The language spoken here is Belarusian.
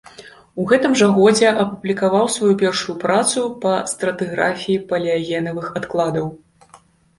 У гэтым жа годзе апублікаваў сваю першую працу па стратыграфіі палеагенавых адкладаў.